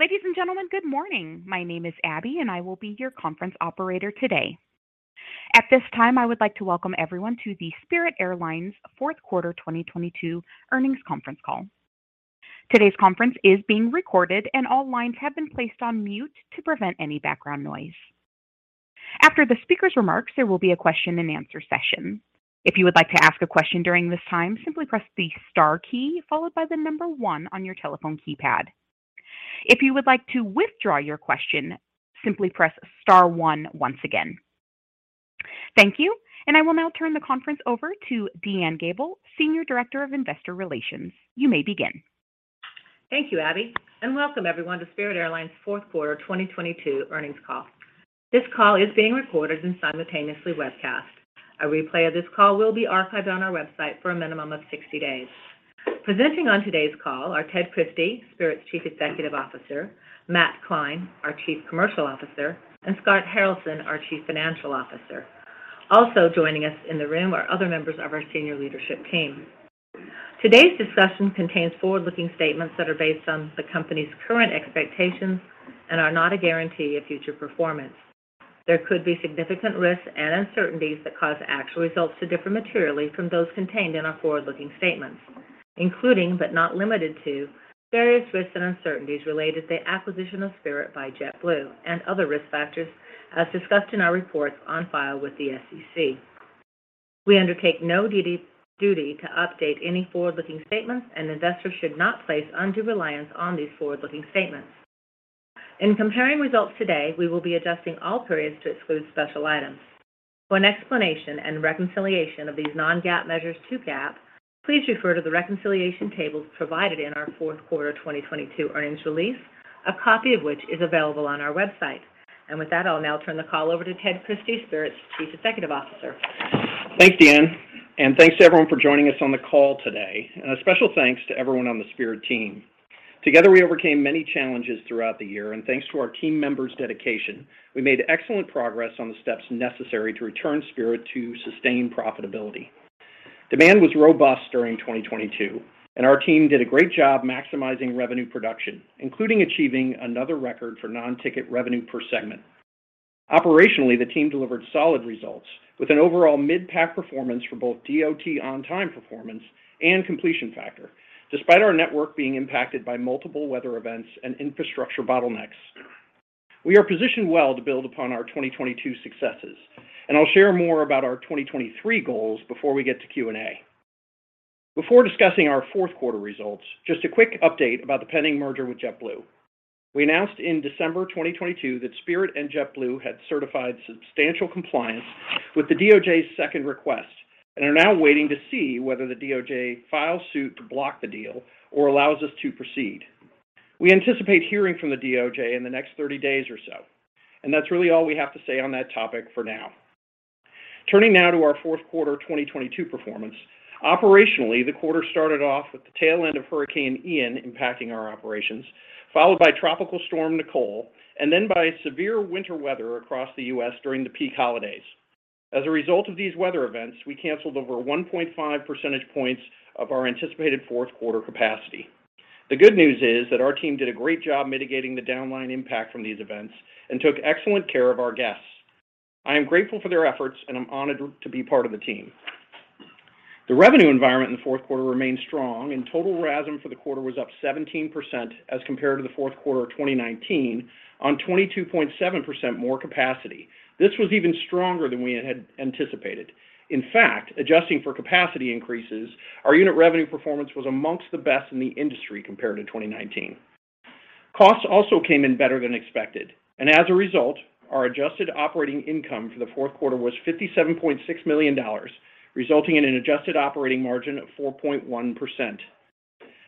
Ladies and gentlemen, good morning. My name is Abby, and I will be your conference operator today. At this time, I would like to welcome everyone to the Spirit Airlines Fourth Quarter 2022 Earnings Conference Call. Today's conference is being recorded, and all lines have been placed on mute to prevent any background noise. After the speaker's remarks, there will be a question-and-answer session. If you would like to ask a question during this time, simply press the star key followed by one on your telephone keypad. If you would like to withdraw your question, simply press star one once again. Thank you, and I will now turn the conference over to DeAnne Gabel, Senior Director of Investor Relations. You may begin. Thank you, Abby, and welcome everyone to Spirit Airlines' fourth quarter 2022 earnings call. This call is being recorded and simultaneously webcast. A replay of this call will be archived on our website for a minimum of 60 days. Presenting on today's call are Ted Christie, Spirit's Chief Executive Officer, Matt Klein, our Chief Commercial Officer, and Scott Haralson, our Chief Financial Officer. Also joining us in the room are other members of our senior leadership team. Today's discussion contains forward-looking statements that are based on the company's current expectations and are not a guarantee of future performance. There could be significant risks and uncertainties that cause actual results to differ materially from those contained in our forward-looking statements, including, but not limited to, various risks and uncertainties related to the acquisition of Spirit by JetBlue and other risk factors as discussed in our reports on file with the SEC. We undertake no duty to update any forward-looking statements, and investors should not place undue reliance on these forward-looking statements. In comparing results today, we will be adjusting all periods to exclude special items. For an explanation and reconciliation of these non-GAAP measures to GAAP, please refer to the reconciliation tables provided in our fourth quarter of 2022 earnings release, a copy of which is available on our website. With that, I'll now turn the call over to Ted Christie, Spirit's Chief Executive Officer. Thanks, DeAnne. Thanks to everyone for joining us on the call today. A special thanks to everyone on the Spirit team. Together, we overcame many challenges throughout the year. Thanks to our team members' dedication, we made excellent progress on the steps necessary to return Spirit to sustained profitability. Demand was robust during 2022. Our team did a great job maximizing revenue production, including achieving another record for non-ticket revenue per segment. Operationally, the team delivered solid results with an overall mid-pack performance for both DOT on-time performance and completion factor, despite our network being impacted by multiple weather events and infrastructure bottlenecks. We are positioned well to build upon our 2022 successes. I'll share more about our 2023 goals before we get to Q&A. Before discussing our fourth quarter results, just a quick update about the pending merger with JetBlue. We announced in December 2022 that Spirit and JetBlue had certified substantial compliance with the DOJ's second request and are now waiting to see whether the DOJ files suit to block the deal or allows us to proceed. We anticipate hearing from the DOJ in the next 30 days or so, and that's really all we have to say on that topic for now. Turning now to our fourth quarter 2022 performance. Operationally, the quarter started off with the tail end of Hurricane Ian impacting our operations, followed by Tropical Storm Nicole, and then by severe winter weather across the U.S. during the peak holidays. As a result of these weather events, we canceled over 1.5 percentage points of our anticipated fourth quarter capacity. The good news is that our team did a great job mitigating the downline impact from these events and took excellent care of our guests. I am grateful for their efforts, and I'm honored to be part of the team. The revenue environment in the fourth quarter remained strong, and total RASM for the quarter was up 17 as compared to the fourth quarter of 2019 on 22.7% more capacity. This was even stronger than we had anticipated. In fact, adjusting for capacity increases, our unit revenue performance was amongst the best in the industry compared to 2019. Costs also came in better than expected, and as a result, our adjusted operating income for the fourth quarter was $57.6 million, resulting in an adjusted operating margin of 4.1%.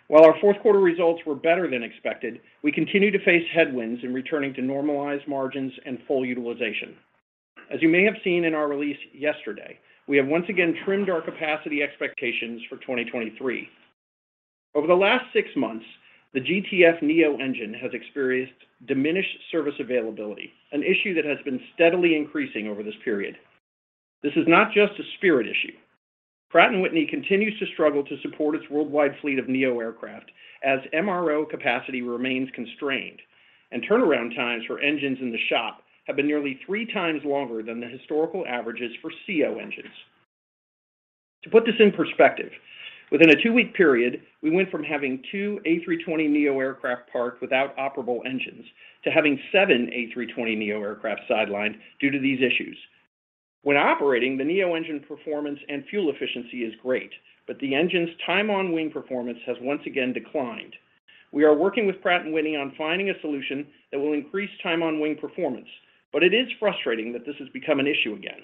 While our fourth quarter results were better than expected, we continue to face headwinds in returning to normalized margins and full utilization. As you may have seen in our release yesterday, we have once again trimmed our capacity expectations for 2023. Over the last six months, the GTF NEO engine has experienced diminished service availability, an issue that has been steadily increasing over this period. This is not just a Spirit issue. Pratt & Whitney continues to struggle to support its worldwide fleet of NEO aircraft as MRO capacity remains constrained, and turnaround times for engines in the shop have been nearly 3x longer than the historical averages for CEO engines. To put this in perspective, within a two-week period, we went from having two A320neo aircraft parked without operable engines to having seven A320neo aircraft sidelined due to these issues. When operating, the NEO engine performance and fuel efficiency is great, but the engine's time on wing performance has once again declined. We are working with Pratt & Whitney on finding a solution that will increase time on wing performance, but it is frustrating that this has become an issue again.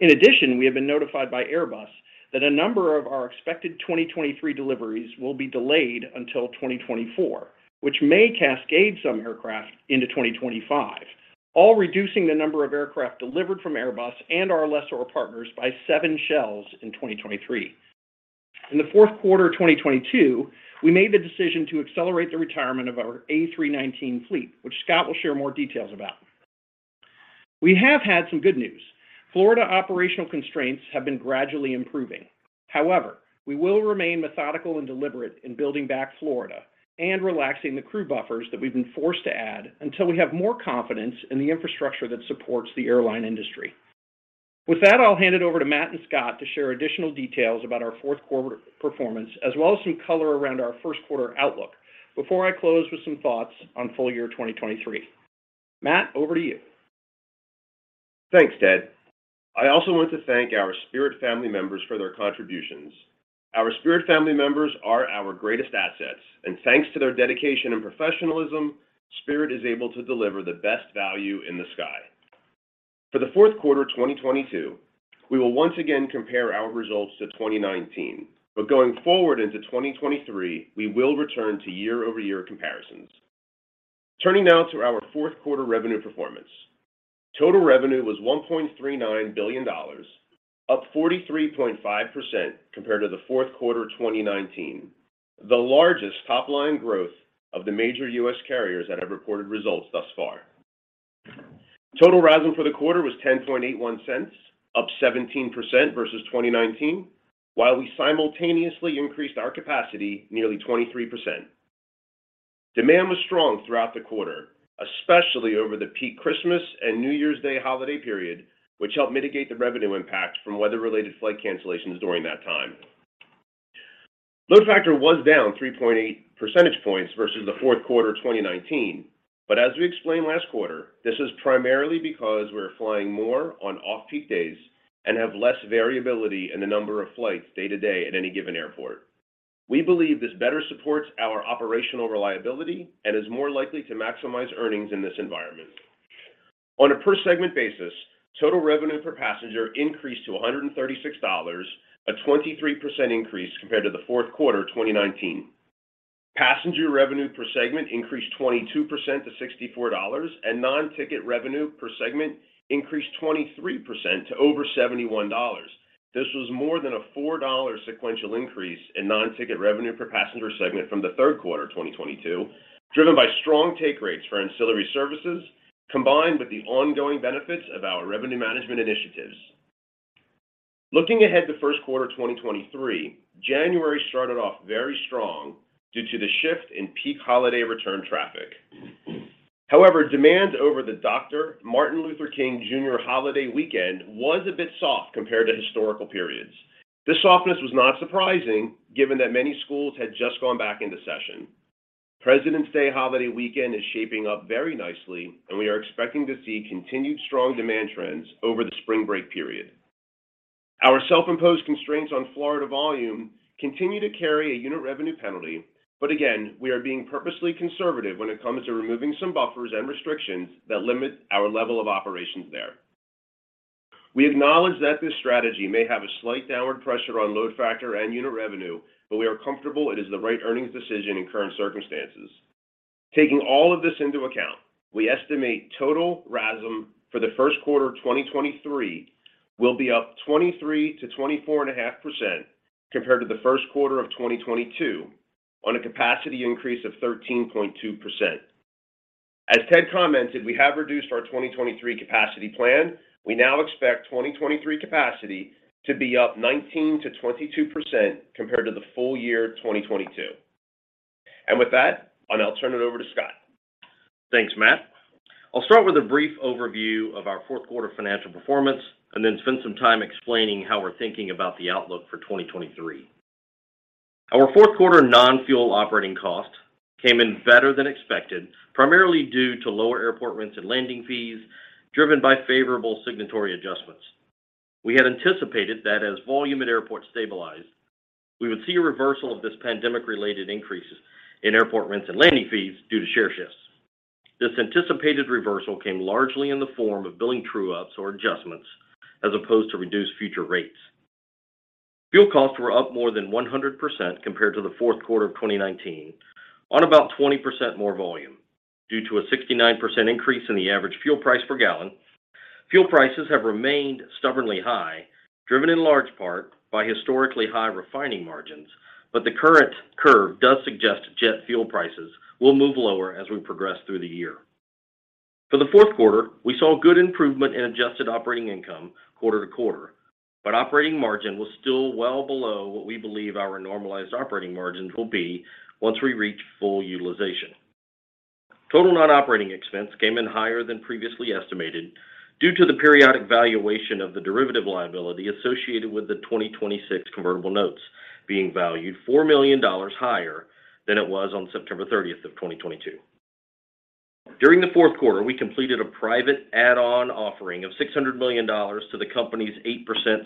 In addition, we have been notified by Airbus that a number of our expected 2023 deliveries will be delayed until 2024, which may cascade some aircraft into 2025, all reducing the number of aircraft delivered from Airbus and our lessor partners by seven shells in 2023. In the fourth quarter of 2022, we made the decision to accelerate the retirement of our A319 fleet, which Scott will share more details about. We have had some good news. Florida operational constraints have been gradually improving. We will remain methodical and deliberate in building back Florida and relaxing the crew buffers that we've been forced to add until we have more confidence in the infrastructure that supports the airline industry. With that, I'll hand it over to Matt and Scott to share additional details about our fourth quarter performance, as well as some color around our first quarter outlook before I close with some thoughts on full year 2023. Matt, over to you. Thanks, Ted. I also want to thank our Spirit family members for their contributions. Our Spirit family members are our greatest assets, and thanks to their dedication and professionalism, Spirit is able to deliver the best value in the sky. For the fourth quarter, 2022, we will once again compare our results to 2019, but going forward into 2023, we will return to year-over-year comparisons. Turning now to our fourth quarter revenue performance. Total revenue was $1.39 billion, up 43.5% compared to the fourth quarter of 2019, the largest top-line growth of the major U.S. carriers that have reported results thus far. Total RASM for the quarter was $0.1081, up 17% versus 2019, while we simultaneously increased our capacity nearly 23%. Demand was strong throughout the quarter, especially over the peak Christmas and New Year's Day holiday period, which helped mitigate the revenue impact from weather-related flight cancellations during that time. Load factor was down 3.8 percentage points versus the fourth quarter of 2019. As we explained last quarter, this is primarily because we are flying more on off-peak days and have less variability in the number of flights day to day at any given airport. We believe this better supports our operational reliability and is more likely to maximize earnings in this environment. On a per segment basis, total revenue per passenger increased to $136, a 23% increase compared to the fourth quarter of 2019. Passenger revenue per segment increased 22% to $64, and non-ticket revenue per segment increased 23% to over $71. This was more than a $4 sequential increase in non-ticket revenue per passenger segment from the third quarter of 2022, driven by strong take rates for ancillary services, combined with the ongoing benefits of our revenue management initiatives. Looking ahead to first quarter, 2023, January started off very strong due to the shift in peak holiday return traffic. However, demand over the Doctor Martin Luther King Jr. holiday weekend was a bit soft compared to historical periods. This softness was not surprising, given that many schools had just gone back into session. President's Day holiday weekend is shaping up very nicely, and we are expecting to see continued strong demand trends over the spring break period. Our self-imposed constraints on Florida volume continue to carry a unit revenue penalty, but again, we are being purposely conservative when it comes to removing some buffers and restrictions that limit our level of operations there. We acknowledge that this strategy may have a slight downward pressure on load factor and unit revenue, but we are comfortable it is the right earnings decision in current circumstances. Taking all of this into account, we estimate total RASM for the first quarter of 2023 will be up 23%-24.5% compared to the first quarter of 2022 on a capacity increase of 13.2%. As Ted commented, we have reduced our 2023 capacity plan. We now expect 2023 capacity to be up 19%-22% compared to the full year 2022. With that, I'll now turn it over to Scott. Thanks, Matt. I'll start with a brief overview of our fourth quarter financial performance and then spend some time explaining how we're thinking about the outlook for 2023. Our fourth quarter non-fuel operating cost came in better than expected, primarily due to lower airport rents and landing fees driven by favorable signatory adjustments. We had anticipated that as volume in airports stabilized, we would see a reversal of this pandemic-related increases in airport rents and landing fees due to share shifts. This anticipated reversal came largely in the form of billing true-ups or adjustments as opposed to reduced future rates. Fuel costs were up more than 100% compared to the fourth quarter of 2019 on about 20% more volume due to a 69% increase in the average fuel price per gallon. Fuel prices have remained stubbornly high, driven in large part by historically high refining margins. The current curve does suggest jet fuel prices will move lower as we progress through the year. For the fourth quarter, we saw good improvement in adjusted operating income quarter-to-quarter. Operating margin was still well below what we believe our normalized operating margins will be once we reach full utilization. Total non-operating expense came in higher than previously estimated due to the periodic valuation of the derivative liability associated with the 2026 convertible notes being valued $4 million higher than it was on September 30th, 2022. During the fourth quarter, we completed a private add-on offering of $600 million to the company's 8%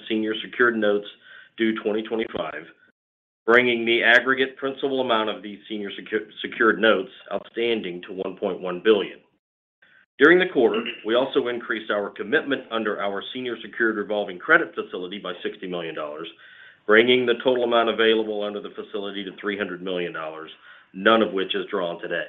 senior secured notes due 2025, bringing the aggregate principal amount of these senior secured notes outstanding to $1.1 billion. During the quarter, we also increased our commitment under our senior secured revolving credit facility by $60 million, bringing the total amount available under the facility to $300 million, none of which is drawn today.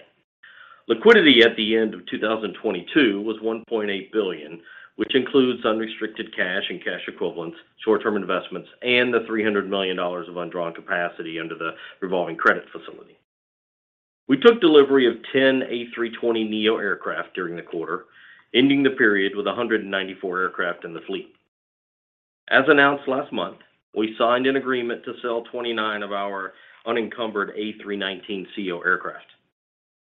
Liquidity at the end of 2022 was $1.8 billion, which includes unrestricted cash and cash equivalents, short-term investments, and the $300 million of undrawn capacity under the revolving credit facility. We took delivery of 10 A320neo aircraft during the quarter, ending the period with 194 aircraft in the fleet. As announced last month, we signed an agreement to sell 29 of our unencumbered A319ceo aircraft.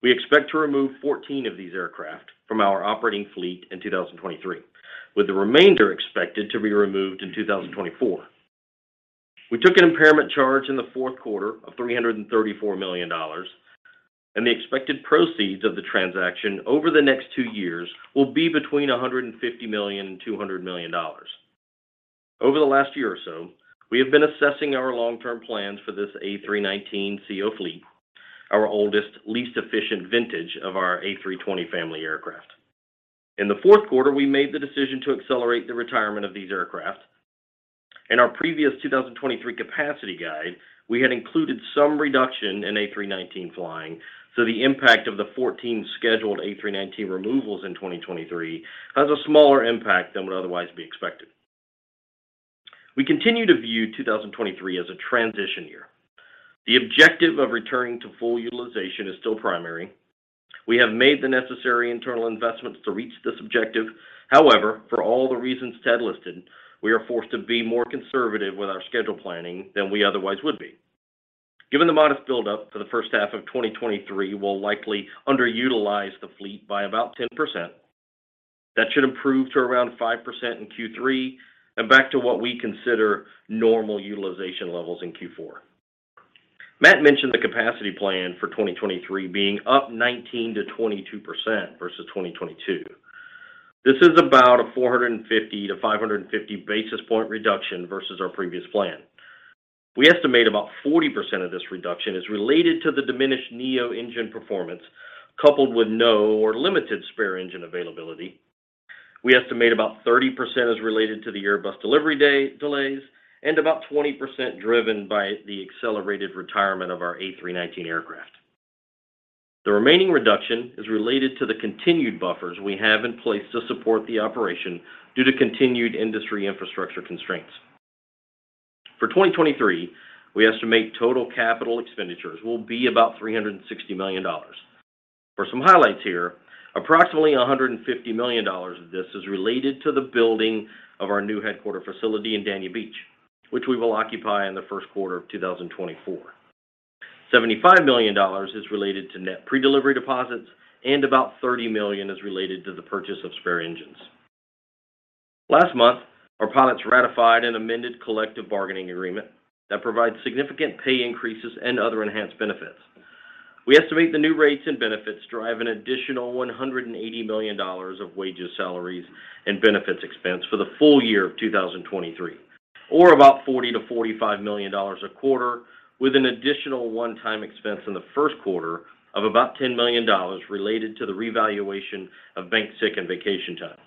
We expect to remove 14 of these aircraft from our operating fleet in 2023, with the remainder expected to be removed in 2024. We took an impairment charge in the fourth quarter of $334 million, the expected proceeds of the transaction over the next two years will be between $150 million and $200 million. Over the last year or so, we have been assessing our long-term plans for this A319ceo fleet, our oldest, least efficient vintage of our A320 family aircraft. In the fourth quarter, we made the decision to accelerate the retirement of these aircraft. In our previous 2023 capacity guide, we had included some reduction in A319 flying, so the impact of the 14 scheduled A319 removals in 2023 has a smaller impact than would otherwise be expected. We continue to view 2023 as a transition year. The objective of returning to full utilization is still primary. We have made the necessary internal investments to reach this objective. However, for all the reasons Ted listed, we are forced to be more conservative with our schedule planning than we otherwise would be. Given the modest build-up for the first half of 2023, we'll likely underutilize the fleet by about 10%. That should improve to around 5% in Q3 and back to what we consider normal utilization levels in Q4. Matt mentioned the capacity plan for 2023 being up 19%-22% versus 2022. This is about a 450-550 basis point reduction versus our previous plan. We estimate about 40% of this reduction is related to the diminished NEO-engine performance, coupled with no or limited spare engine availability. We estimate about 30% is related to the Airbus delivery day delays and about 20% driven by the accelerated retirement of our A319 aircraft. The remaining reduction is related to the continued buffers we have in place to support the operation due to continued industry infrastructure constraints. For 2023, we estimate total capital expenditures will be about $360 million. For some highlights here, approximately $150 million of this is related to the building of our new headquarters facility in Dania Beach, which we will occupy in the first quarter of 2024. $75 million is related to net predelivery deposits. About $30 million is related to the purchase of spare engines. Last month, our pilots ratified an amended collective bargaining agreement that provides significant pay increases and other enhanced benefits. We estimate the new rates and benefits drive an additional $180 million of wages, salaries, and benefits expense for the full year of 2023 or about $40 million-$45 million a quarter with an additional one-time expense in the first quarter of about $10 million related to the revaluation of banked sick and vacation time.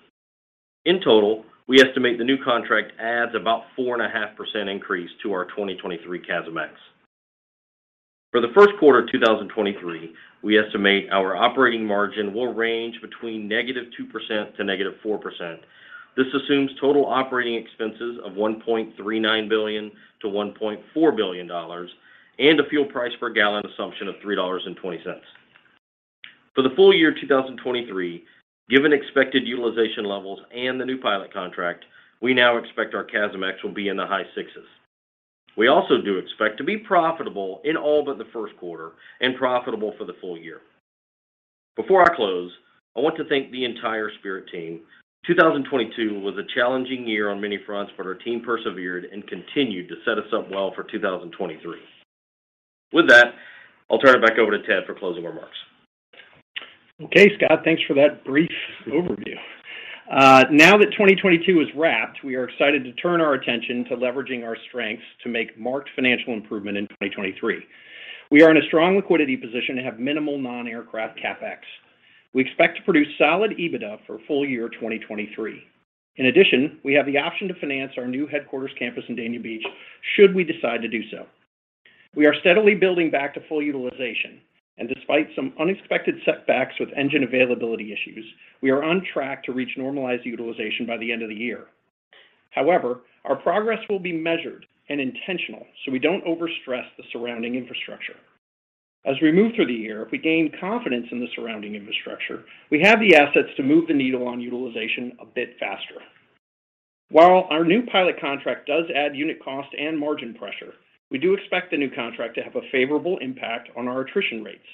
In total, we estimate the new contract adds about 4.5% increase to our 2023 CASM-ex. For the first quarter of 2023, we estimate our operating margin will range between -2%--4%. This assumes total operating expenses of $1.39 billion-$1.4 billion and a fuel price per gallon assumption of $3.20. For the full year 2023, given expected utilization levels and the new pilot contract, we now expect our CASM-ex will be in the high sixes. We also do expect to be profitable in all but the first quarter and profitable for the full year. Before I close, I want to thank the entire Spirit team. 2022 was a challenging year on many fronts, but our team persevered and continued to set us up well for 2023. With that, I'll turn it back over to Ted for closing remarks. Okay, Scott, thanks for that brief overview. Now that 2022 is wrapped, we are excited to turn our attention to leveraging our strengths to make marked financial improvement in 2023. We are in a strong liquidity position to have minimal non-aircraft CapEx. We expect to produce solid EBITDA for full year 2023. In addition, we have the option to finance our new headquarters campus in Dania Beach should we decide to do so. We are steadily building back to full utilization, and despite some unexpected setbacks with engine availability issues, we are on track to reach normalized utilization by the end of the year. Our progress will be measured and intentional, so we don't overstress the surrounding infrastructure. As we move through the year, if we gain confidence in the surrounding infrastructure, we have the assets to move the needle on utilization a bit faster. While our new pilot contract does add unit cost and margin pressure, we do expect the new contract to have a favorable impact on our attrition rates.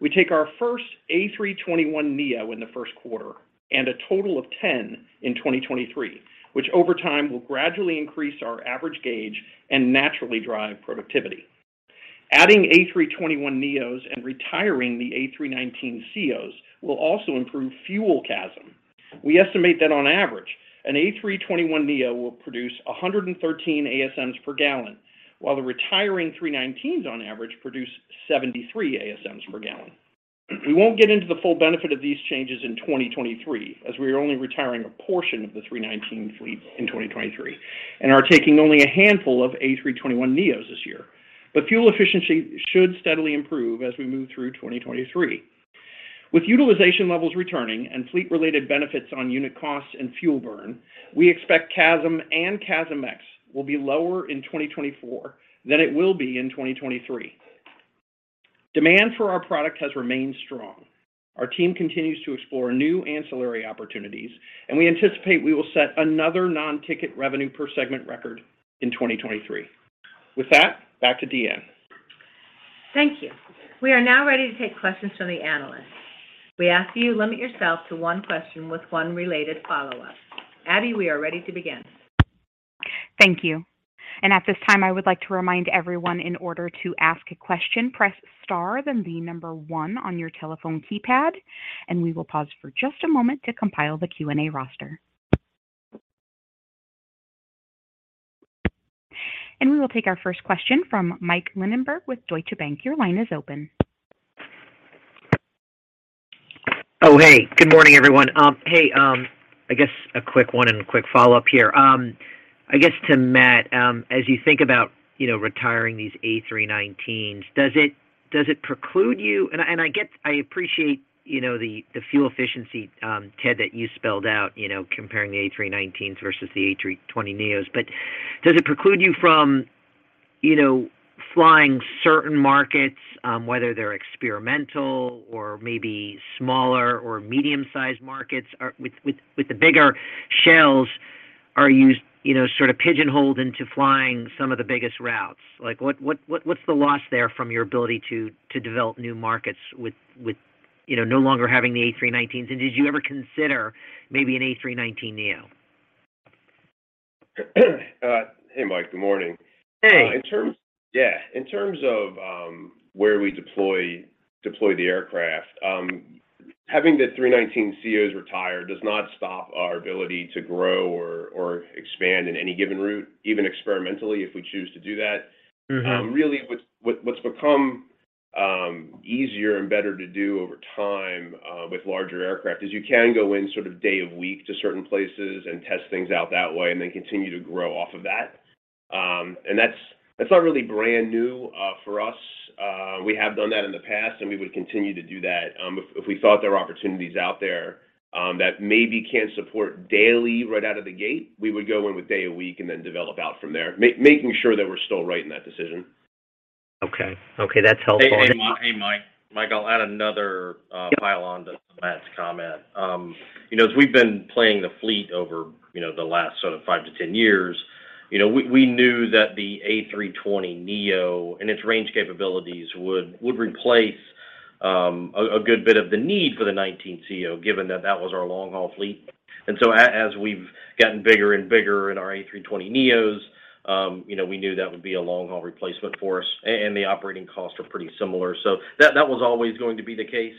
We take our first A321neo in the first quarter and a total of 10 in 2023, which over time will gradually increase our average gauge and naturally drive productivity. Adding A321neos and retiring the A319ceos will also improve fuel CASM. We estimate that on average, an A321neo will produce 113 ASMs per gallon, while the retiring three nineteens on average produce 73 ASMs per gallon. We won't get into the full benefit of these changes in 2023, as we are only retiring a portion of the three nineteen fleet in 2023 and are taking only a handful of A321neos this year. Fuel efficiency should steadily improve as we move through 2023. With utilization levels returning and fleet-related benefits on unit costs and fuel burn, we expect CASM and CASM-ex will be lower in 2024 than it will be in 2023. Demand for our product has remained strong. Our team continues to explore new ancillary opportunities, and we anticipate we will set another non-ticket revenue per segment record in 2023. With that, back to DeAnne. Thank you. We are now ready to take questions from the analysts. We ask you limit yourself to one question with one related follow-up. Abby, we are ready to begin. Thank you. At this time, I would like to remind everyone in order to ask a question, press star, then one on your telephone keypad. We will pause for just a moment to compile the Q&A roster. We will take our first question from Mike Linenberg with Deutsche Bank. Your line is open. Oh, hey, good morning, everyone. Hey, I guess a quick one and a quick follow-up here. I guess to Matt, as you think about, you know, retiring these A319s, does it preclude you and I, and I get, I appreciate, you know, the fuel efficiency, Ted, that you spelled out, you know, comparing the A319s versus the A320neos. Does it preclude you from, you know, flying certain markets, whether they're experimental or maybe smaller or medium-sized markets or with the bigger shells, are you know, sort of pigeonholed into flying some of the biggest routes? Like, what's the loss there from your ability to develop new markets with, you know, no longer having the A319s? Did you ever consider maybe an A319neo? Hey, Mike, good morning. Hey. Yeah, in terms of where we deploy the aircraft, having the 319 CEOs retire does not stop our ability to grow or expand in any given route, even experimentally, if we choose to do that. Mm-hmm. Really, what's become easier and better to do over time with larger aircraft is you can go in sort of day of week to certain places and test things out that way and then continue to grow off of that. That's not really brand new for us. We have done that in the past, and we would continue to do that. If we thought there were opportunities out there that maybe can't support daily right out of the gate, we would go in with day a week and then develop out from there, making sure that we're still right in that decision. Okay. Okay. That's helpful. Hey, hey, Hey, Mike. Mike, I'll add another pile on to Matt's comment. You know, as we've been playing the fleet over, you know, the last sort of five-10 years, you know, we knew that the A320neo and its range capabilities would replace a good bit of the need for the 19 CEO, given that that was our long-haul fleet. As we've gotten bigger and bigger in our A320neos, you know, we knew that would be a long-haul replacement for us, and the operating costs are pretty similar. That was always going to be the case.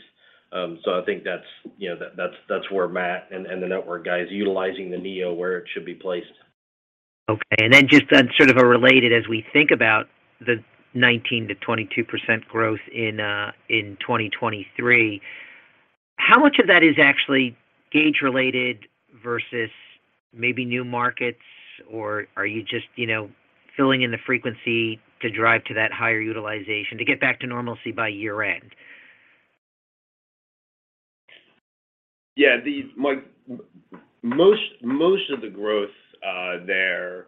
I think that's, you know, that's where Matt and the network guys utilizing the NEO where it should be placed. Okay. Just sort of a related, as we think about the 19%-22% growth in 2023, how much of that is actually gauge related versus maybe new markets, or are you just, you know, filling in the frequency to drive to that higher utilization to get back to normalcy by year-end? Yeah. Mike, most of the growth there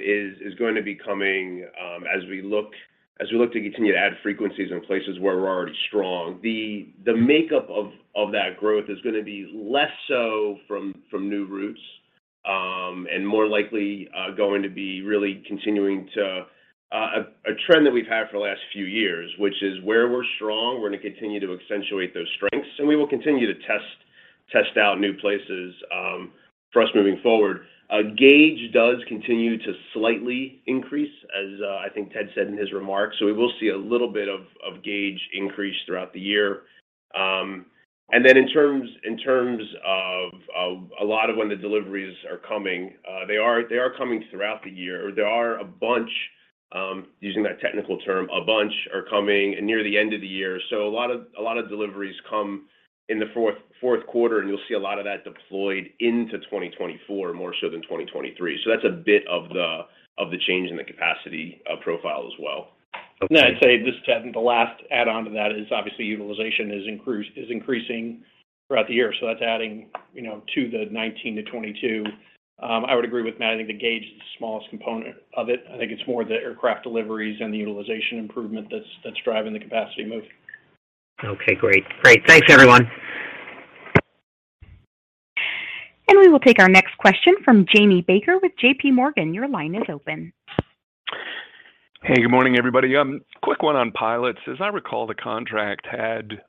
is going to be coming as we look, as we look to continue to add frequencies in places where we're already strong. The makeup of that growth is gonna be less so from new routes, and more likely going to be really continuing to a trend that we've had for the last few years, which is where we're strong, we're gonna continue to accentuate those strengths, and we will continue to test out new places for us moving forward. Gauge does continue to slightly increase, as I think Ted said in his remarks. We will see a little bit of gauge increase throughout the year. Then in terms of a lot of when the deliveries are coming, they are coming throughout the year, or there are a bunch, using that technical term, a bunch are coming near the end of the year. A lot of deliveries come in the fourth quarter, and you'll see a lot of that deployed into 2024 more so than 2023. That's a bit of the change in the capacity profile as well. Okay. I'd say this is Ted, the last add on to that is obviously utilization is increasing throughout the year. So that's adding, you know, to the 19-22. I would agree with Matt. I think the gauge is the smallest component of it. I think it's more the aircraft deliveries and the utilization improvement that's driving the capacity move. Okay, great. Great. Thanks, everyone. We will take our next question from Jamie Baker with J.P. Morgan. Your line is open. Hey, good morning, everybody. Quick one on pilots. As I recall, the contract had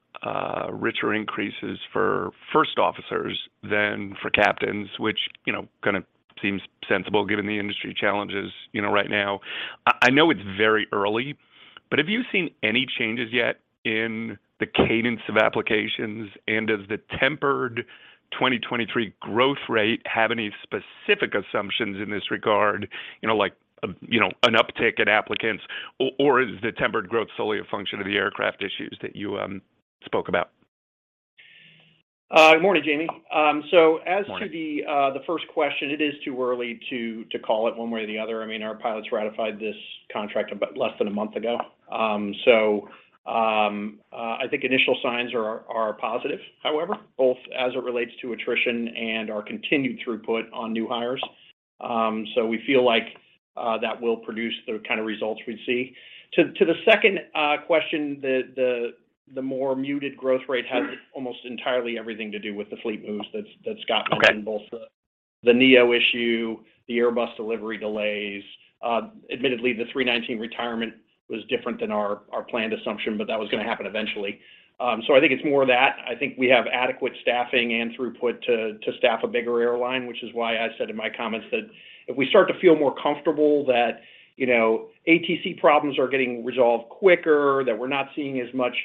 richer increases for first officers than for captains, which, you know, kinda seems sensible given the industry challenges, you know, right now. I know it's very early, but have you seen any changes yet in the cadence of applications? Does the tempered 2023 growth rate have any specific assumptions in this regard? You know, like, you know, an uptick in applicants, or is the tempered growth solely a function of the aircraft issues that you spoke about? Good morning, Jamie. Morning To the first question, it is too early to call it one way or the other. I mean, our pilots ratified this contract less than a month ago. I think initial signs are positive, however, both as it relates to attrition and our continued throughput on new hires. We feel like that will produce the kind of results we'd see. To the second question, the more muted growth rate has. Mm-hmm Almost entirely everything to do with the fleet moves that Scott mentioned. Okay Both the NEO issue, the Airbus delivery delays. Admittedly, the A319 retirement was different than our planned assumption, but that was gonna happen eventually. I think it's more that. I think we have adequate staffing and throughput to staff a bigger airline, which is why I said in my comments that if we start to feel more comfortable that, you know, ATC problems are getting resolved quicker, that we're not seeing as much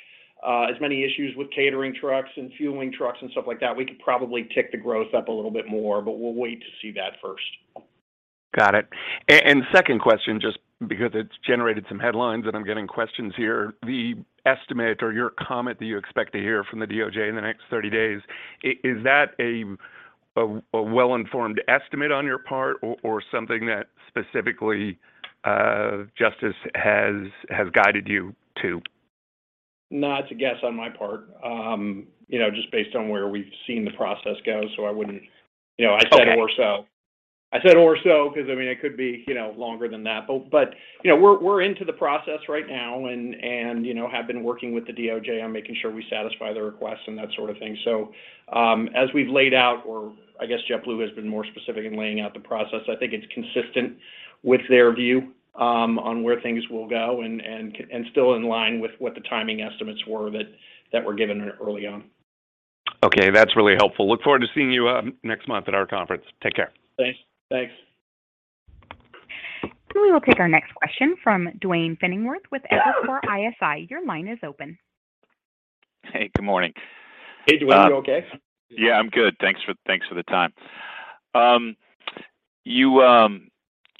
as many issues with catering trucks and fueling trucks and stuff like that, we could probably tick the growth up a little bit more, but we'll wait to see that first. Got it. Second question, just because it's generated some headlines, and I'm getting questions here, the estimate or your comment that you expect to hear from the DOJ in the next 30 days, is that a well-informed estimate on your part or something that specifically, Justice has guided you to? No, it's a guess on my part. You know, just based on where we've seen the process go, so I wouldn't. You know, I said. Okay Or so. I said or so 'cause I mean, it could be, you know, longer than that. You know, we're into the process right now and, you know, have been working with the DOJ on making sure we satisfy the requests and that sort of thing. As we've laid out or I guess JetBlue has been more specific in laying out the process, I think it's consistent with their view on where things will go and still in line with what the timing estimates were that were given early on. Okay, that's really helpful. Look forward to seeing you next month at our conference. Take care. Thanks. Thanks. We will take our next question from Duane Pfennigwerth with Evercore ISI. Your line is open. Hey, good morning. Hey, Duane. You okay? Yeah, I'm good. Thanks for the time.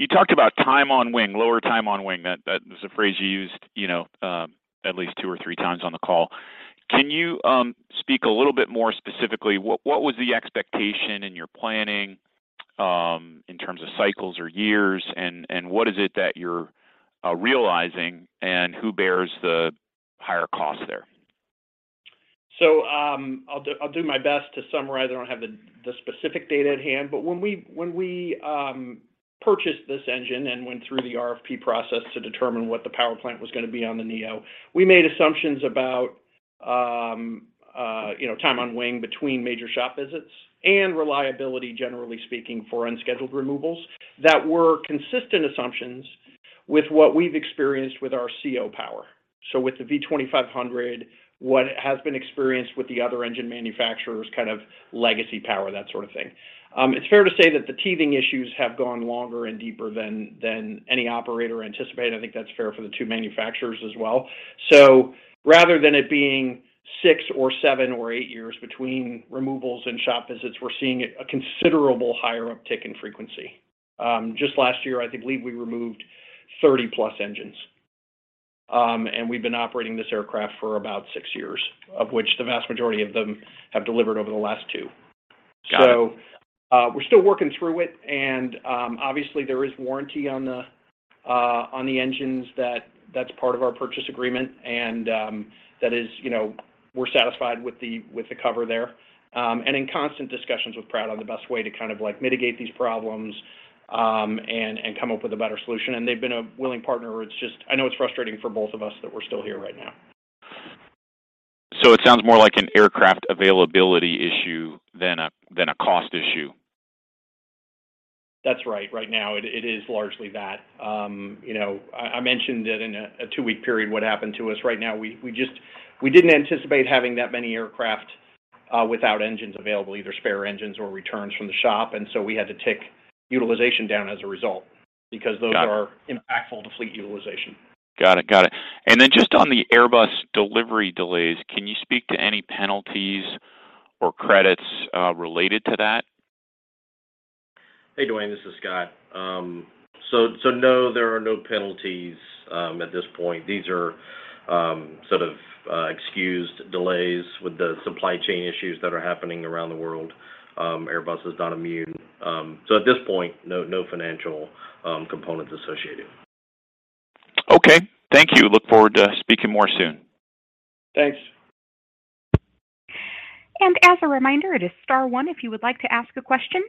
You talked about time on wing, lower time on wing. That was a phrase you used, you know, at least two or 3x on the call. Can you speak a little bit more specifically, what was the expectation in your planning, in terms of cycles or years, and what is it that you're realizing, and who bears the higher cost there? I'll do my best to summarize. I don't have the specific data at hand. When we purchased this engine and went through the RFP process to determine what the power plant was gonna be on the NEO, we made assumptions about, you know, time on wing between major shop visits and reliability, generally speaking, for unscheduled removals that were consistent assumptions with what we've experienced with our CEO power. With the V2500, what has been experienced with the other engine manufacturers, kind of legacy power, that sort of thing. It's fair to say that the teething issues have gone longer and deeper than any operator anticipated. I think that's fair for the two manufacturers as well. Rather than it being six or seven or eight years between removals and shop visits, we're seeing a considerable higher uptick in frequency. Just last year, I think, believe we removed 30+ engines. We've been operating this aircraft for about six years, of which the vast majority of them have delivered over the last two. Got it. We're still working through it, and, obviously, there is warranty on the engines that's part of our purchase agreement, and, that is, you know, we're satisfied with the cover there, and in constant discussions with Pratt on the best way to kind of like mitigate these problems, and come up with a better solution. They've been a willing partner. It's just, I know it's frustrating for both of us that we're still here right now. It sounds more like an aircraft availability issue than a cost issue. That's right. Right now, it is largely that. You know, I mentioned that in a two-week period what happened to us. Right now, we didn't anticipate having that many aircraft without engines available, either spare engines or returns from the shop. We had to take utilization down as a result because those. Got it. Are impactful to fleet utilization. Got it. Just on the Airbus delivery delays, can you speak to any penalties or credits related to that? Hey, Duane, this is Scott. No, there are no penalties at this point. These are sort of excused delays with the supply chain issues that are happening around the world. Airbus is not immune. At this point, no financial components associated. Okay. Thank you. Look forward to speaking more soon. Thanks. As a reminder, it is star one if you would like to ask a question,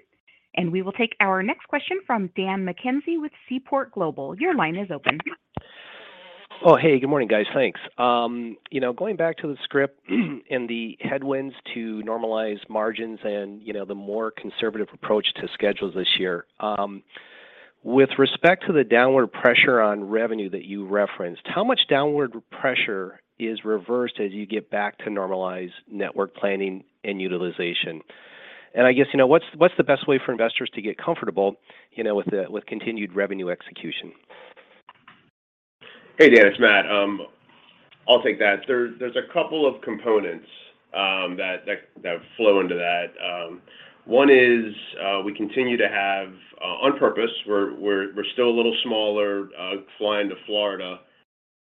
and we will take our next question from Dan McKenzie with Seaport Global. Your line is open. Hey. Good morning, guys. Thanks. You know, going back to the Spirit and the headwinds to normalize margins and, you know, the more conservative approach to schedules this year, with respect to the downward pressure on revenue that you referenced, how much downward pressure is reversed as you get back to normalized network planning and utilization? I guess, you know, what's the best way for investors to get comfortable, you know, with the, with continued revenue execution? Hey, Dan, it's Matt. I'll take that. There's a couple of components that flow into that. One is we continue to have on purpose, we're still a little smaller flying to Florida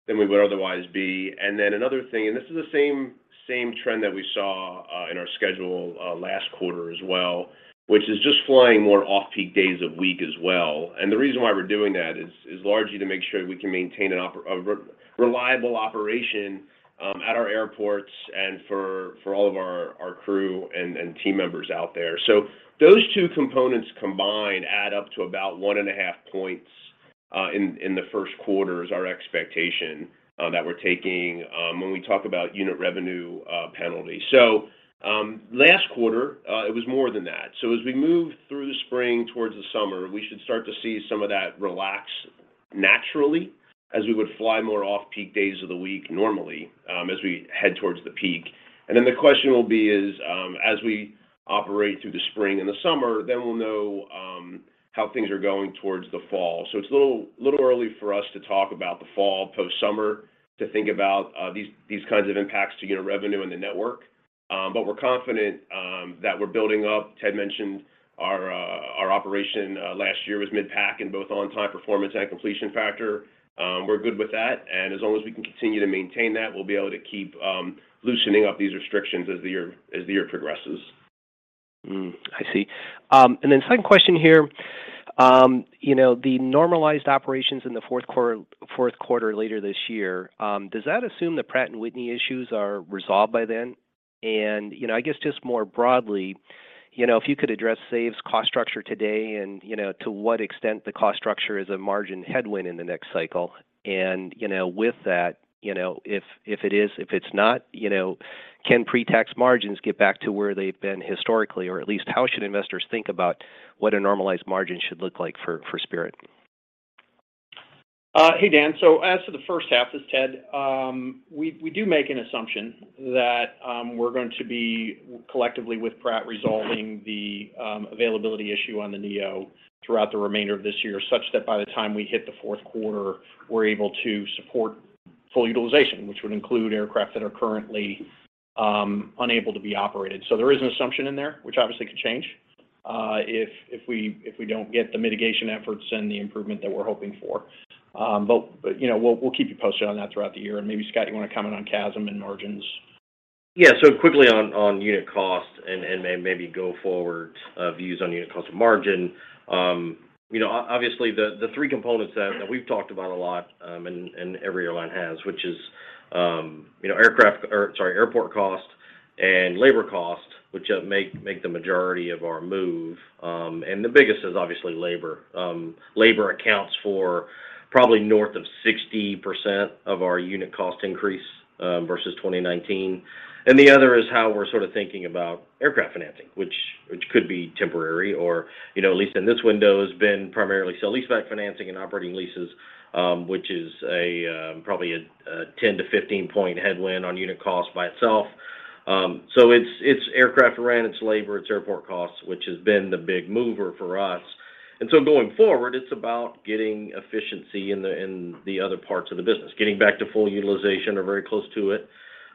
than we would otherwise be. Another thing, and this is the same trend that we saw in our schedule last quarter as well, which is just flying more off-peak days of week as well. The reason why we're doing that is largely to make sure we can maintain a reliable operation at our airports and for all of our crew and team members out there. Those two components combined add up to about 1.5 points in the first quarter is our expectation that we're taking when we talk about unit revenue penalty. Last quarter, it was more than that. As we move through the spring towards the summer, we should start to see some of that relax naturally as we would fly more off-peak days of the week normally as we head towards the peak. The question will be is, as we operate through the spring and the summer, then we'll know how things are going towards the fall. It's a little early for us to talk about the fall post-summer to think about these kinds of impacts to unit revenue in the network. We're confident that we're building up. Ted mentioned our operation, last year was mid-pack in both on-time performance and completion factor. We're good with that. As long as we can continue to maintain that, we'll be able to keep loosening up these restrictions as the year progresses. I see. Second question here, the normalized operations in the fourth quarter later this year, does that assume the Pratt & Whitney issues are resolved by then? I guess just more broadly, if you could address SAVE's cost structure today and to what extent the cost structure is a margin headwind in the next cycle. With that, if it is, if it's not, can pre-tax margins get back to where they've been historically? Or at least how should investors think about what a normalized margin should look like for Spirit? Hey Dan, as to the first half, this is Ted, we do make an assumption that we're going to be collectively with Pratt resolving the availability issue on the NEO throughout the remainder of this year, such that by the time we hit the fourth quarter, we're able to support full utilization, which would include aircraft that are currently unable to be operated. There is an assumption in there, which obviously could change if we don't get the mitigation efforts and the improvement that we're hoping for. But, you know, we'll keep you posted on that throughout the year. Maybe, Scott, you wanna comment on CASM and margins? Yeah. Quickly on unit cost and maybe go forward views on unit cost of margin. You know, obviously the three components that we've talked about a lot, and every airline has, which is, you know, aircraft or sorry, airport cost and labor cost, which make the majority of our move. The biggest is obviously labor. Labor accounts for probably north of 60% of our unit cost increase versus 2019. The other is how we're sort of thinking about aircraft financing, which could be temporary or, you know, at least in this window has been primarily sale-leaseback financing and operating leases, which is a, probably a 10-15 point headwind on unit cost by itself. It's aircraft rent, it's labor, it's airport costs, which has been the big mover for us. Going forward, it's about getting efficiency in the other parts of the business, getting back to full utilization or very close to it.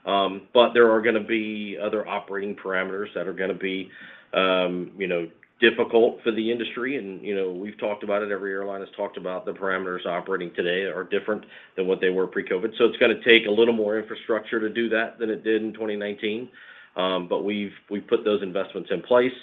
There are gonna be other operating parameters that are gonna be, you know, difficult for the industry. You know, we've talked about it, every airline has talked about the parameters operating today are different than what they were pre-COVID. It's gonna take a little more infrastructure to do that than it did in 2019. We've put those investments in place.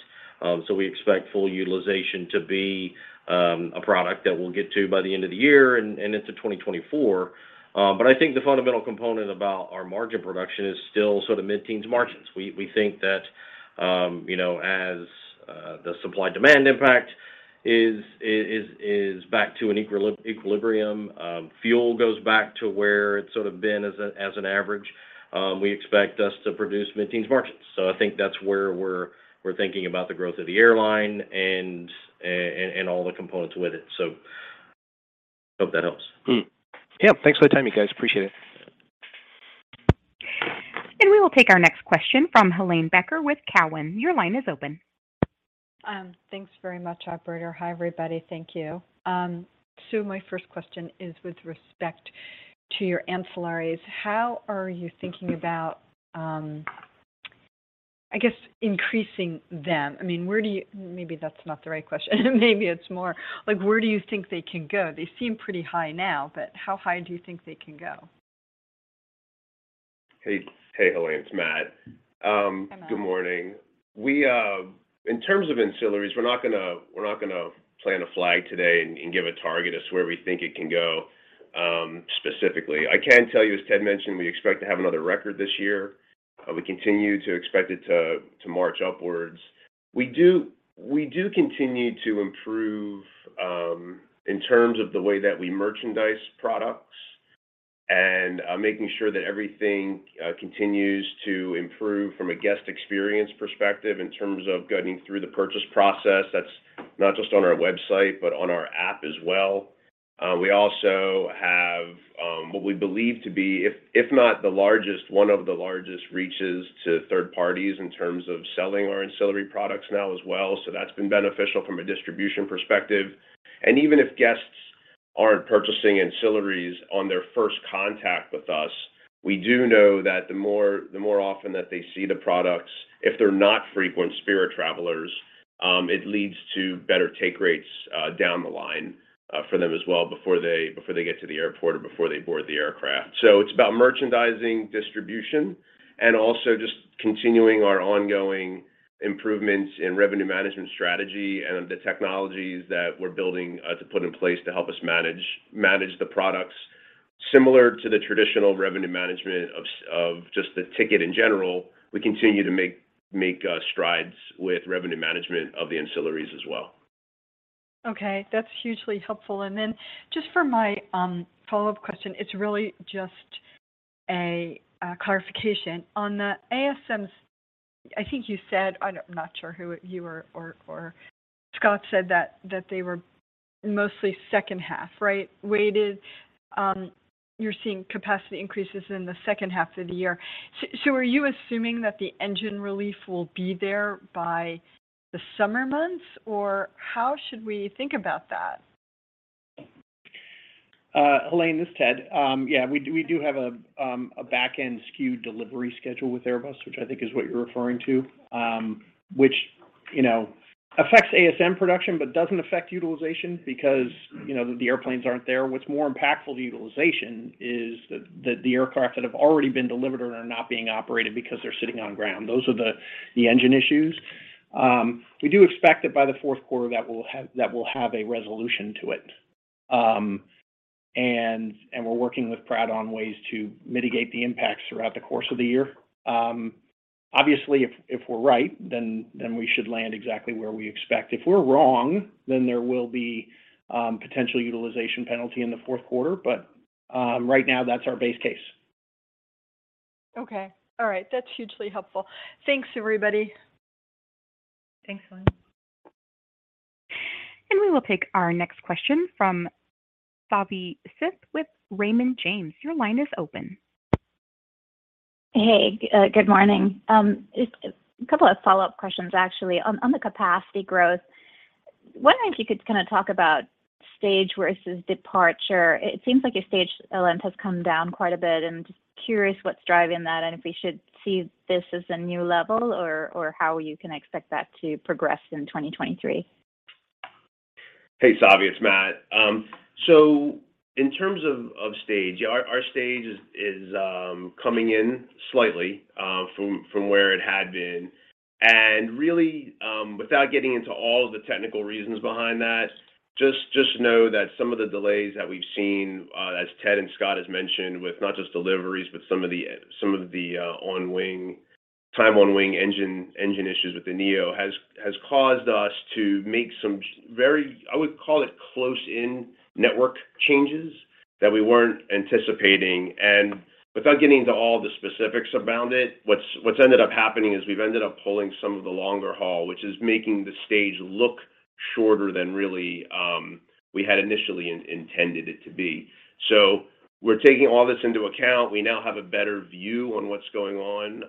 We expect full utilization to be a product that we'll get to by the end of the year and into 2024. I think the fundamental component about our margin production is still sort of mid-teens margins. We think that, you know, as the supply-demand impact is back to an equilibrium, fuel goes back to where it's sort of been as an average, we expect us to produce mid-teens margins. I think that's where we're thinking about the growth of the airline and all the components with it. Hope that helps. Yeah. Thanks for the time you guys. Appreciate it. We will take our next question from Helane Becker with Cowen. Your line is open. Thanks very much, operator. Hi, everybody. Thank you. My first question is with respect to your ancillaries. How are you thinking about, I guess, increasing them? I mean, Maybe that's not the right question. Maybe it's more like, where do you think they can go? They seem pretty high now, but how high do you think they can go? Hey, hey, Helane. It's Matt. Hi, Matt. Good morning. We, in terms of ancillaries, we're not gonna plant a flag today and give a target as to where we think it can go, specifically. I can tell you, as Ted mentioned, we expect to have another record this year. We continue to expect it to march upwards. We do continue to improve, in terms of the way that we merchandise products and making sure that everything continues to improve from a guest experience perspective in terms of getting through the purchase process. That's not just on our website, but on our app as well. We also have what we believe to be, if not the largest, one of the largest reaches to third parties in terms of selling our ancillary products now as well. That's been beneficial from a distribution perspective. Even if guests aren't purchasing ancillaries on their first contact with us, we do know that the more often that they see the products, if they're not frequent Spirit travelers... It leads to better take rates down the line for them as well before they get to the airport or before they board the aircraft. It's about merchandising distribution and also just continuing our ongoing improvements in revenue management strategy and the technologies that we're building to put in place to help us manage the products similar to the traditional revenue management of just the ticket in general. We continue to make strides with revenue management of the ancillaries as well. Okay. That's hugely helpful. Just for my follow-up question, it's really just a clarification. On the ASMs, I think you said... I'm not sure who, you or Scott said that they were mostly second half, right? Weighted, you're seeing capacity increases in the second half of the year. Are you assuming that the engine relief will be there by the summer months, or how should we think about that? Helane, this is Ted. Yeah, we do have a backend skewed delivery schedule with Airbus, which I think is what you're referring to, which, you know, affects ASM production but doesn't affect utilization because, you know, the airplanes aren't there. What's more impactful to utilization is the aircraft that have already been delivered and are not being operated because they're sitting on ground. Those are the engine issues. We do expect that by the fourth quarter that we'll have a resolution to it. We're working with Pratt on ways to mitigate the impacts throughout the course of the year. Obviously if we're right, then we should land exactly where we expect. If we're wrong, there will be potential utilization penalty in the fourth quarter. Right now that's our base case. Okay. All right. That's hugely helpful. Thanks everybody. Thanks, Helane. We will take our next question from Savi Sith with Raymond James. Your line is open. Hey, good morning. It's a couple of follow-up questions actually. On the capacity growth, wondering if you could kind of talk about stage versus departure. It seems like your stage length has come down quite a bit and just curious what's driving that and if we should see this as a new level or how you can expect that to progress in 2023? Hey, Savi. It's Matt. So in terms of stage, our stage is coming in slightly from where it had been. Really, without getting into all of the technical reasons behind that, just know that some of the delays that we've seen, as Ted and Scott has mentioned with not just deliveries, but some of the on-wing time on wing engine issues with the NEO has caused us to make some very, I would call it close in network changes that we weren't anticipating. Without getting into all the specifics around it, what's ended up happening is we've ended up pulling some of the longer haul, which is making the stage look shorter than really, we had initially intended it to be. We're taking all this into account. We now have a better view on what's going on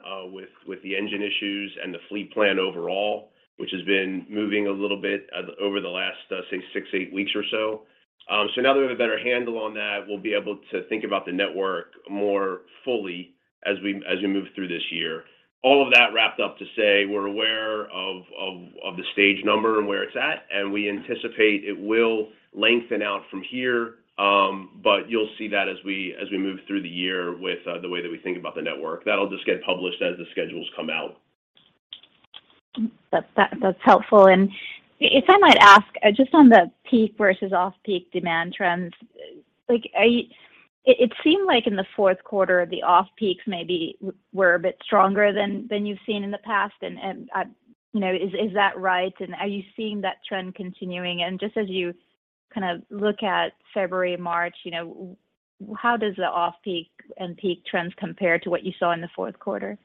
with the engine issues and the fleet plan overall, which has been moving a little bit over the last, say six, eight weeks or so. Now that we have a better handle on that, we'll be able to think about the network more fully as we move through this year. All of that wrapped up to say we're aware of the stage number and where it's at, and we anticipate it will lengthen out from here. You'll see that as we move through the year with the way that we think about the network. That'll just get published as the schedules come out. That's helpful. If I might ask, just on the peak versus off-peak demand trends, like, it seemed like in the fourth quarter the off-peaks maybe were a bit stronger than you've seen in the past. You know, is that right? Are you seeing that trend continuing? Just as you kind of look at February, March, you know, how does the off-peak and peak trends compare to what you saw in the fourth quarter?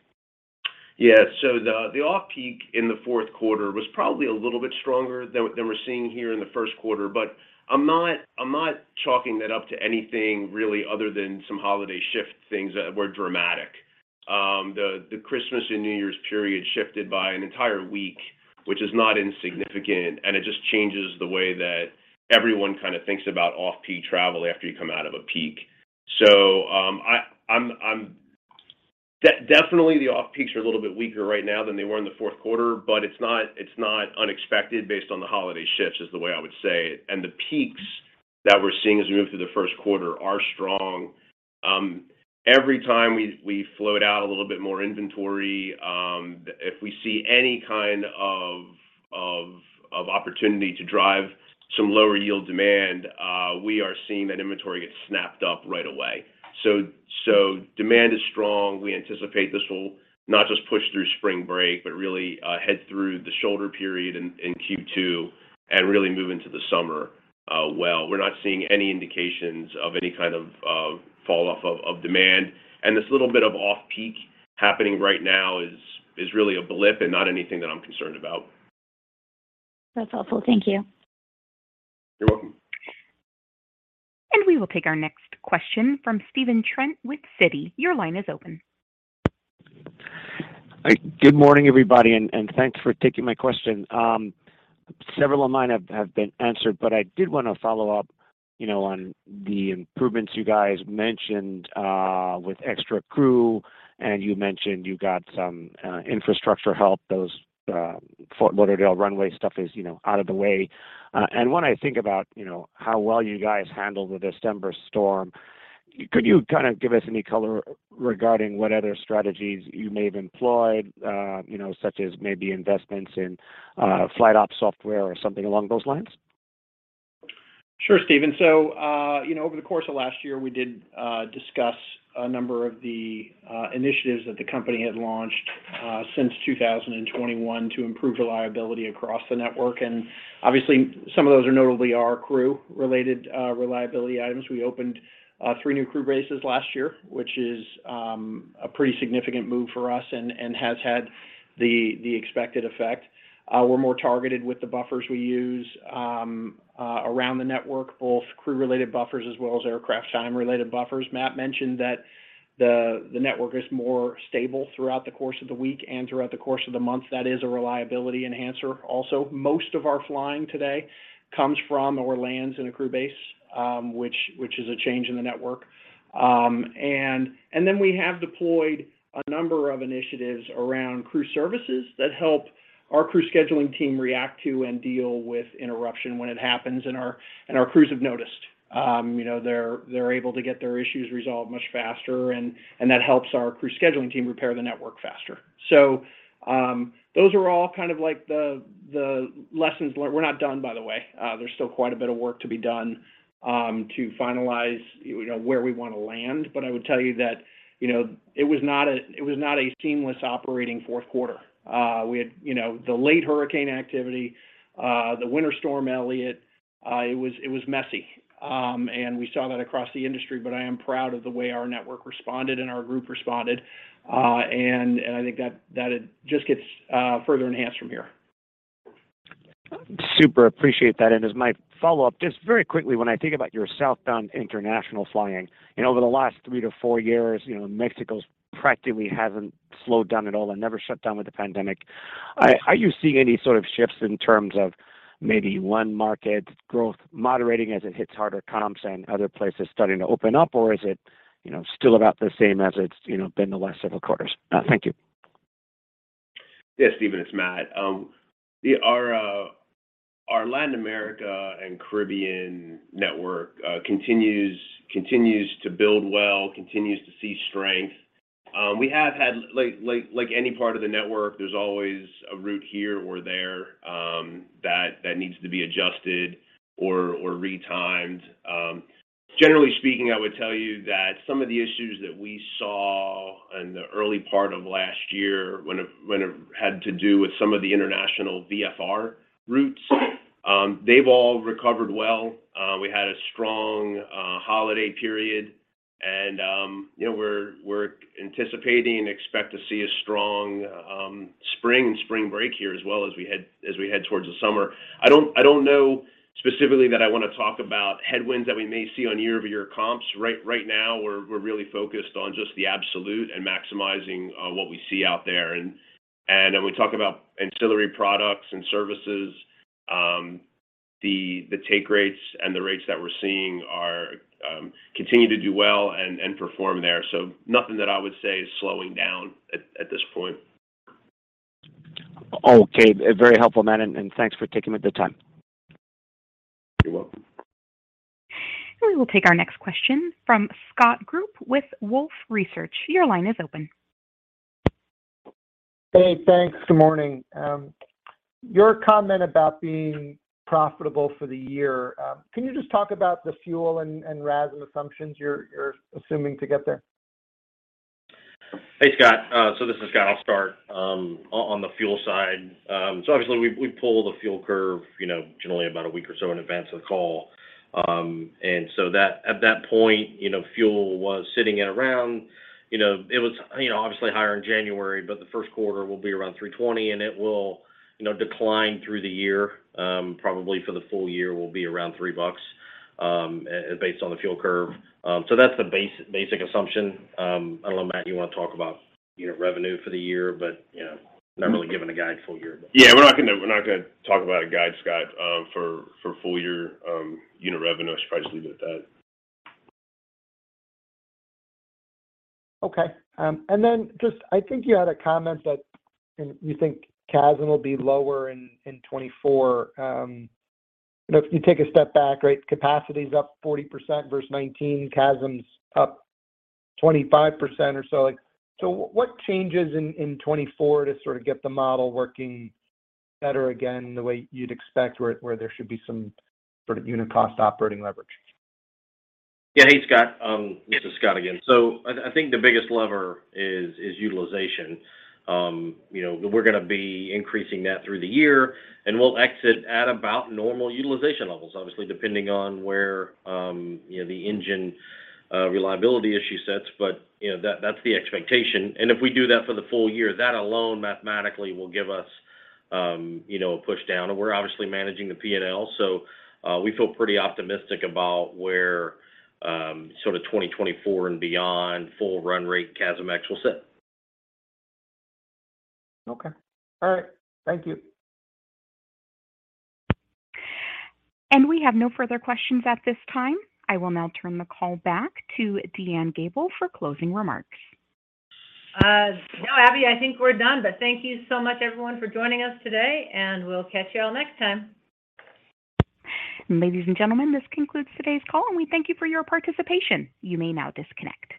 The off-peak in the fourth quarter was probably a little bit stronger than we're seeing here in the first quarter, but I'm not, I'm not chalking that up to anything really other than some holiday shift things that were dramatic. The Christmas and New Year's period shifted by an entire week, which is not insignificant, and it just changes the way that everyone kind of thinks about off-peak travel after you come out of a peak. I'm definitely the off-peaks are a little bit weaker right now than they were in the fourth quarter, but it's not, it's not unexpected based on the holiday shifts, is the way I would say it. The peaks that we're seeing as we move through the first quarter are strong. Every time we float out a little bit more inventory, if we see any kind of opportunity to drive some lower yield demand, we are seeing that inventory get snapped up right away. Demand is strong. We anticipate this will not just push through spring break, but really head through the shoulder period in Q2 and really move into the summer well. We're not seeing any indications of any kind of fall off of demand. This little bit of off-peak happening right now is really a blip and not anything that I'm concerned about. That's helpful. Thank you. You're welcome. We will take our next question from Stephen Trent with Citi. Your line is open. Hi. Good morning, everybody, and thanks for taking my question. Several of mine have been answered, but I did wanna follow up, you know, on the improvements you guys mentioned, with extra crew, and you mentioned you got some infrastructure help. Those Fort Lauderdale runway stuff is, you know, out of the way. When I think about, you know, how well you guys handled the December storm, could you kinda give us any color regarding what other strategies you may have employed, you know, such as maybe investments in flight op software or something along those lines? Sure, Stephen. You know, over the course of last year, we did discuss a number of the initiatives that the company had launched since 2021 to improve reliability across the network. Obviously, some of those are notably our crew-related reliability items. We opened 3 new crew bases last year, which is a pretty significant move for us and has had the expected effect. We're more targeted with the buffers we use around the network, both crew-related buffers as well as aircraft time-related buffers. Matt mentioned that the network is more stable throughout the course of the week and throughout the course of the month. That is a reliability enhancer also. Most of our flying today comes from or lands in a crew base, which is a change in the network. Then we have deployed a number of initiatives around crew services that help our crew scheduling team react to and deal with interruption when it happens, and our crews have noticed. You know, they're able to get their issues resolved much faster and that helps our crew scheduling team repair the network faster. Those are all kind of like the lessons learned. We're not done, by the way. There's still quite a bit of work to be done to finalize, you know, where we wanna land. I would tell you that, you know, it was not a seamless operating fourth quarter. We had, you know, delayed hurricane activity, the Winter Storm Elliott. It was messy. We saw that across the industry, but I am proud of the way our network responded and our group responded. I think that it just gets further enhanced from here. Super appreciate that. As my follow-up, just very quickly, when I think about your southbound international flying, and over the last three to four years, you know, Mexico's practically hasn't slowed down at all and never shut down with the pandemic, are you seeing any sort of shifts in terms of maybe one market growth moderating as it hits harder comps and other places starting to open up, or is it, you know, still about the same as it's, you know, been the last several quarters? Thank you. Yeah, Stephen, it's Matt. Yeah, our Latin America and Caribbean network continues to build well, continues to see strength. We have had like any part of the network, there's always a route here or there that needs to be adjusted or re-timed. Generally speaking, I would tell you that some of the issues that we saw in the early part of last year when it had to do with some of the international VFR routes, they've all recovered well. We had a strong holiday period and, you know, we're anticipating and expect to see a strong spring and spring break here as well as we head towards the summer. I don't know specifically that I wanna talk about headwinds that we may see on year-over-year comps. Right now we're really focused on just the absolute and maximizing what we see out there. When we talk about ancillary products and services, the take rates and the rates that we're seeing are, continue to do well and perform there. Nothing that I would say is slowing down at this point. Okay. Very helpful, Matt, and thanks for taking the time. You're welcome. We will take our next question from Scott Group with Wolfe Research. Your line is open. Hey, thanks. Good morning. Your comment about being profitable for the year, can you just talk about the fuel and RASM assumptions you're assuming to get there? Hey, Scott. This is Scott. I'll start on the fuel side. Obviously, we pull the fuel curve, you know, generally about a week or so in advance of the call. At that point, you know, fuel was sitting at around, you know. It was, you know, obviously higher in January, but the first quarter will be around $3.20, and it will, you know, decline through the year. Probably for the full year will be around $3 and based on the fuel curve. That's the basic assumption. I don't know, Matt, you wanna talk about unit revenue for the year, but, you know, not really giving a guide full year. Yeah, we're not gonna talk about a guide, Scott, for full year, unit revenue. I should probably just leave it at that. Okay. Just I think you had a comment that, you think CASM will be lower in 2024. You know, if you take a step back, right, capacity is up 40% versus 2019, CASM's up 25% or so. Like, what changes in 2024 to sort of get the model working better again the way you'd expect where there should be some sort of unit cost operating leverage? Yeah. Hey, Scott. This is Scott again. I think the biggest lever is utilization. You know, we're gonna be increasing that through the year, and we'll exit at about normal utilization levels, obviously depending on where, you know, the engine reliability issue sits. You know, that's the expectation. If we do that for the full year, that alone mathematically will give us, you know, a push down. We're obviously managing the P&L, so we feel pretty optimistic about where sort of 2024 and beyond full run rate CASM-ex will sit. Okay. All right. Thank you. We have no further questions at this time. I will now turn the call back to DeAnne Gabel for closing remarks. No, Abby, I think we're done. Thank you so much everyone for joining us today. We'll catch you all next time. Ladies and gentlemen, this concludes today's call, and we thank you for your participation. You may now disconnect.